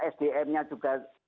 sdm nya juga